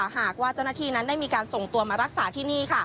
หากว่าเจ้าหน้าที่นั้นได้มีการส่งตัวมารักษาที่นี่